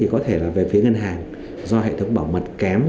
có thể là về phía ngân hàng do hệ thống bảo mật kém